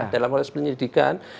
dalam proses penyelidikan